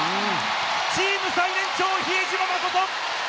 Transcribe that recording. チーム最年少・比江島慎。